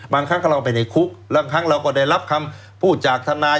บางครั้งก็เราไปในคุกบางครั้งเราก็ได้รับคำพูดจากทนาย